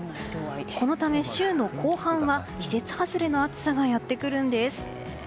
このため週の後半は季節外れの暑さがやってくるんです。